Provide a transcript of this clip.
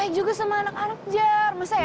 yang kedua kak randy